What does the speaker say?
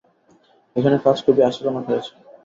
এখানে কাজ খুবই আশাজনক হয়েছে।